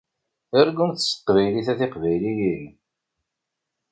Argumt s teqbaylit a tiqbayliyin!